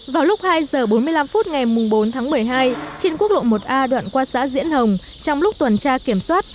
vào lúc hai h bốn mươi năm phút ngày bốn tháng một mươi hai trên quốc lộ một a đoạn qua xã diễn hồng trong lúc tuần tra kiểm soát